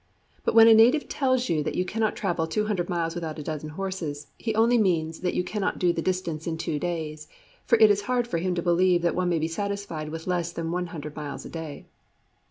But when a native tells you that you cannot travel two hundred miles without a dozen horses, he only means that you cannot do the distance in two days; for it is hard for him to believe that one may be satisfied with less than one hundred miles a day.